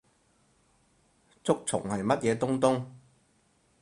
竹蟲係乜嘢東東？